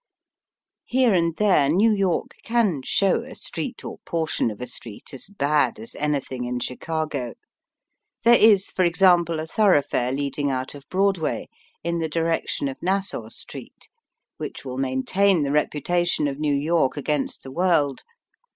Here and there New York can show a street or portion of a street as bad as anything in Chicago. There is, for example, a thoroughfare leading out of Broadway in the direction of Nassau Street which will maintain the reputation of New York against the world.